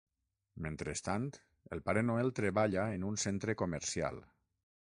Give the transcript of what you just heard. Mentrestant, el Pare Noel treballa en un centre comercial.